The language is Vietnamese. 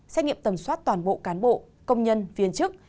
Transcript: xét nghiệm tầm soát toàn bộ cán bộ công nhân viên chức